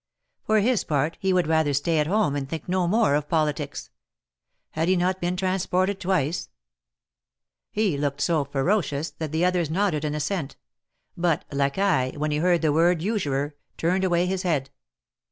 For his part he would rather stay at home, and think no more of politics. Had he not been transported twice? He looked so ferocious, that the others nodded an assent; but Lacaille, when he heard the word usurer, turned away his head.